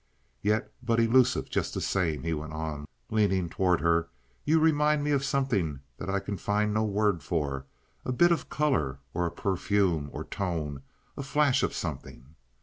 "Yes, but elusive, just the same," he went on, leaning toward her. "You remind me of something that I can find no word for—a bit of color or a perfume or tone—a flash of something.